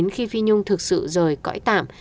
khi phi nhung thực sự rời cõi tạm